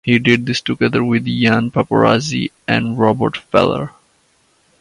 He did this together with Jan Paparazzi and Robert Feller.